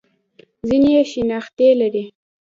ځینې یې شنختې لري.